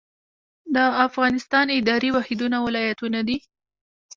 د افغانستان اداري واحدونه ولایتونه دي